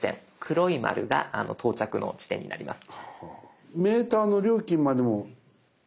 黒い丸が到着の地点になります。